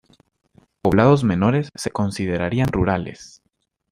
Poblados menores se considerarían rurales.